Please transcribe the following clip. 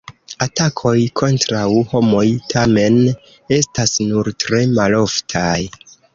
Atakoj kontraŭ homoj tamen estas nur tre maloftaj.